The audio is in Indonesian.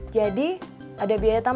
jadi kita bisa ngurusin